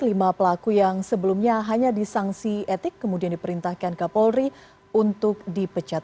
lima pelaku yang sebelumnya hanya disangsi etik kemudian diperintahkan kapolri untuk dipecat